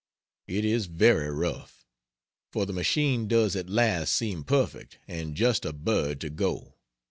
It is very rough; for the machine does at last seem perfect, and just a bird to go!